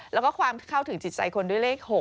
แล้วก็ความเข้าถึงจิตใจคนด้วยเลข๖